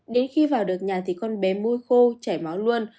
đến khi vào được nhà thì con bé môi khô chảy máu luôn